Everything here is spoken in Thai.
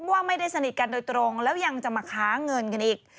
ว่าไม่ได้สนิทกันโดยตรงแล้วยังจะมาค้าเงินกันอีก